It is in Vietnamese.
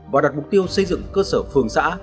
và đặt mục tiêu xây dựng cơ sở phường xã